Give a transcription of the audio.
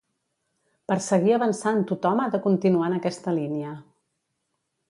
Per seguir avançant tothom ha de continuar en aquesta línia.